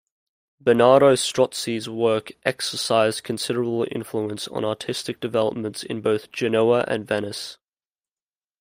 Bernardo Strozzi's work exercised considerable influence on artistic developments in both Genoa and Venice.